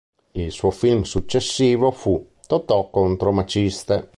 Il suo film successivo fu "Totò contro Maciste".